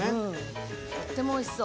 とってもおいしそう。